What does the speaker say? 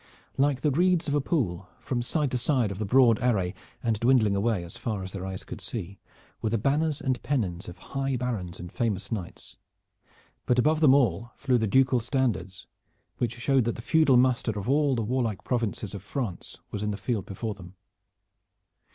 Like the reeds of a pool from side to side of the broad array, and dwindling away as far as their eyes could see, were the banners and pennons of high barons and famous knights, but above them all flew the ducal standards which showed that the feudal muster of all the warlike provinces of France was in the field before them.